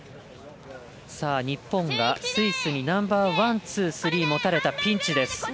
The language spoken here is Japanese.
日本がスイスにナンバーワン、ツー、スリー持たれたピンチです。